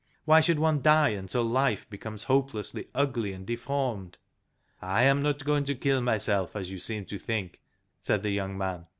Why should one die until life becomes hopelessly ugly and deformed?" " I am not going to kill myself, as you seem to think," said the young man.